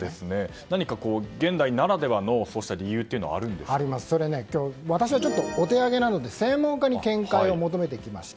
何か現代ならではのそうした理由というのが私はお手上げなので専門家に見解を求めてきました。